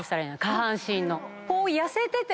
下半身の。